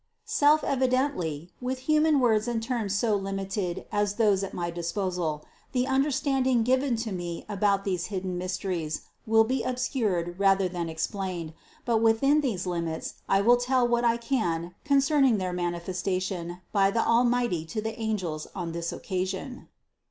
Self evidently, with human words and terms so limited as those at my disposal, the understanding given to me about these hidden mysteries will be obscured rather than explained ; but within these limits I will tell what I can concerning their manifestation by the Al mighty to the angels on this occasion.